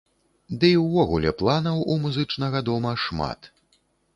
Ды і ўвогуле планаў у музычнага дома шмат.